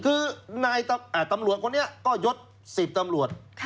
คือนายตำรวจคนนี้ก็ยด๑๐ตำรวจ